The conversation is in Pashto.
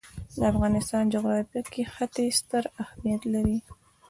د افغانستان جغرافیه کې ښتې ستر اهمیت لري.